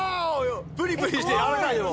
プリプリしてやわらかいよ。